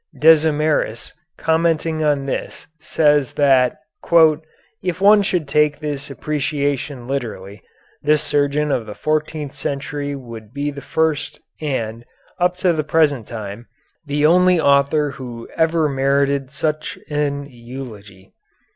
Dezimeris, commenting on this, says that "if one should take this appreciation literally, this surgeon of the fourteenth century would be the first and, up to the present time, the only author who ever merited such an eulogy."